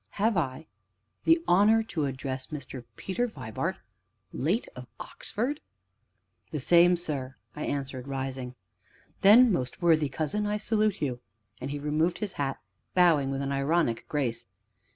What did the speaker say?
Have I the honor to address Mr. Peter Vibart late of Oxford?" "The same, sir," I answered, rising. "Then, most worthy cousin, I salute you," and he removed his hat, bowing with an ironic grace.